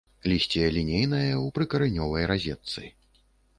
Лісце лінейнае, у прыкаранёвай разетцы.